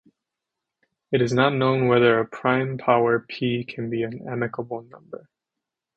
It is not known whether a prime power "p" can be an amicable number.